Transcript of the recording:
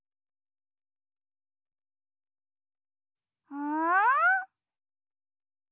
うん？